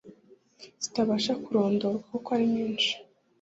zitabasha kurondorwa kuko ari nyinshi